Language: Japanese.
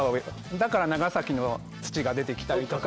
だから長崎の土が出てきたりとか。